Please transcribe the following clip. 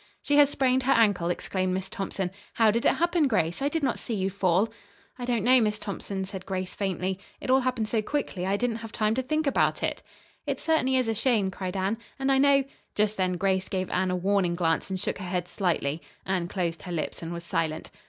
"She has sprained her ankle!" exclaimed Miss Thompson. "How did it happen, Grace? I did not see you fall." "I don't know, Miss Thompson," said Grace faintly. "It all happened so quickly I didn't have time to think about it." "It certainly is a shame," cried Anne. "And I know " Just then Grace gave Anne a warning glance and shook her head slightly. Anne closed her lips and was silent.